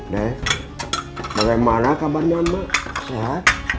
nen bagaimana kabarnya mak sehat